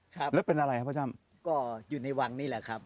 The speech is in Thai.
ครับแล้วเป็นอะไรครับพ่อท่านก็อยู่ในวังนี่แหละครับ